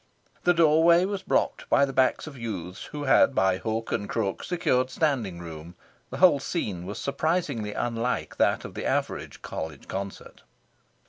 The doorway was blocked by the backs of youths who had by hook and crook secured standing room. The whole scene was surprisingly unlike that of the average College concert.